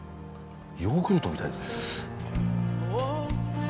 ヨーグルトみたいですね。